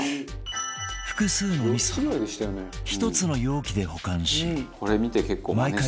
複数の味噌を１つの容器で保管し毎回